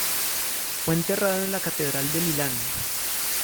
Fue enterrado en la catedral de Milán.